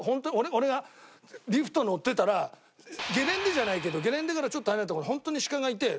俺がリフト乗ってたらゲレンデじゃないけどゲレンデからちょっと離れた所に本当にシカがいて。